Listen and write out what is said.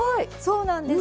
そうなんです。